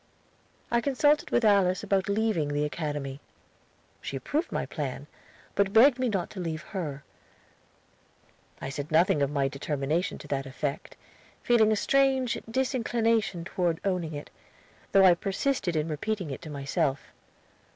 I consulted with Alice about leaving the Academy. She approved my plan, but begged me not to leave her. I said nothing of my determination to that effect, feeling a strange disinclination toward owning it, though I persisted in repeating it to myself.